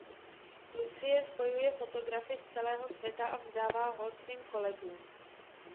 Lucie spojuje fotografy z celého světa a vzdává hold svým kolegům.